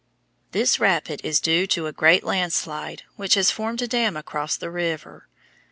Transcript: This rapid is due to a great landslide which has formed a dam across the river.